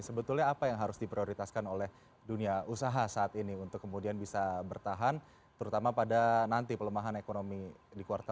sebetulnya apa yang harus diprioritaskan oleh dunia usaha saat ini untuk kemudian bisa bertahan terutama pada nanti pelemahan ekonomi di kuartal tiga